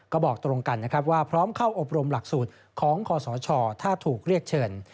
ก็บอกตรงกันนะครับว่าพร้อมเข้าอบรมหลักสูตรของคอสชถ้าถูกเรียกเชิญ